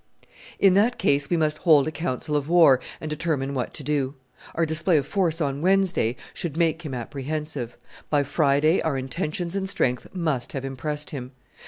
"In that case we must hold a council of war, and determine what to do. Our display of force on Wednesday should make him apprehensive. By Friday our intentions and strength must have impressed him.